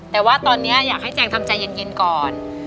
แต่ว่าตอนนี้อยากให้แจงทำใจเย็นก่อน